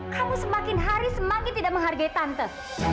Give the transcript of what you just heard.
kamu semakin hari semakin tidak menghargai tante